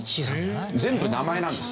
全部名前なんです。